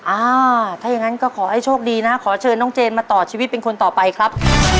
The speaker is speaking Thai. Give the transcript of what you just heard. อ่าถ้าอย่างนั้นก็ขอให้โชคดีนะขอเชิญน้องเจนมาต่อชีวิตเป็นคนต่อไปครับ